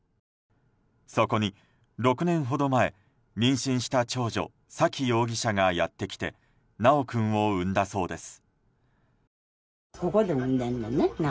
そこに６年ほど前、妊娠した長女沙喜容疑者がやってきて修君を産んだそうです。